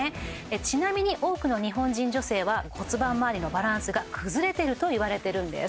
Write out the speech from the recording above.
ちなみに多くの日本人女性は骨盤まわりのバランスが崩れてるといわれてるんです